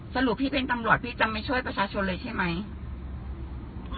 สรุปพี่เป็นตำรวจพี่จะไม่ช่วยประชาชนเลยใช่ไหม